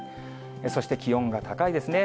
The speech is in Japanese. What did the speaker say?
そして気温が高いですね。